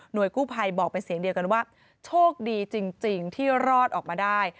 โดยกู้ภัยบอกเป็นเสียงเดียวกันว่าโชคดีจริงที่รอดออกมาได้